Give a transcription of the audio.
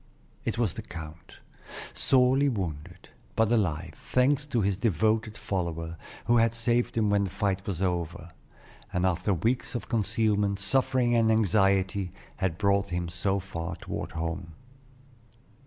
It was the count, sorely wounded, but alive, thanks to his devoted follower, who had saved him when the fight was over; and after weeks of concealment, suffering, and anxiety, had brought him so far toward home.